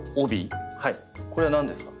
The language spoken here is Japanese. これは何ですか？